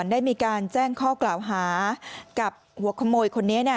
ได้มีการแจ้งข้อกล่าวหากับหัวขโมยคนนี้